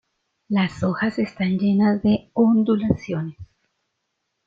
Las hojas están llenas de ondulaciones.